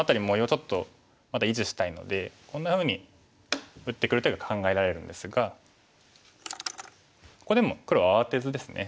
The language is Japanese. ちょっとまだ維持したいのでこんなふうに打ってくる手が考えられるんですがここでも黒は慌てずですね